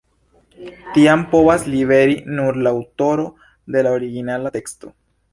Tian povas liveri nur la aŭtoro de la originala teksto.